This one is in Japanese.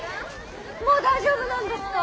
もう大丈夫なんですか？